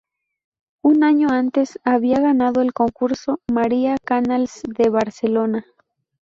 Un año antes había ganado el Concurso María Canals de Barcelona.